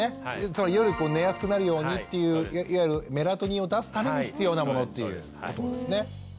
つまり夜寝やすくなるようにっていういわゆるメラトニンを出すために必要なものということですね。